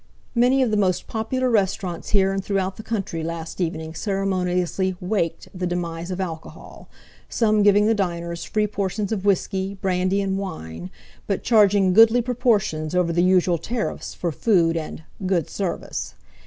Many of the most popular restaurants here and throughout the country last evening ceremoniously "waked" the demise of alcohol, some giving the diners free portions of whisky, brandy, and wine, but charging goodly proportions over the usual tariffs for food and "good service."